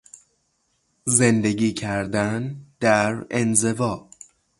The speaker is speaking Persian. زندگی کردن در انزوا